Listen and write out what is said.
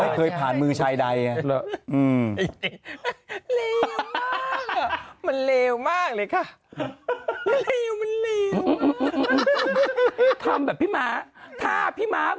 เฮ้เคยผ่านมือชายใด